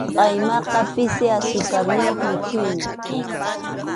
Qʼaymaqa pisi asukarniyuq mikhuymi.